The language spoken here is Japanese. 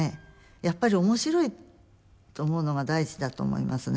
やっぱり面白いと思うのが大事だと思いますね。